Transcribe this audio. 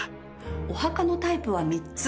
お墓のタイプは３つ。